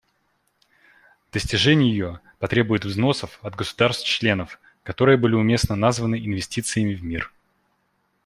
Достижение ее потребует взносов от государств-членов, которые были уместно названы инвестициями в мир.